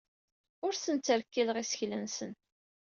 Ur asen-ttrekkileɣ isekla-nsen.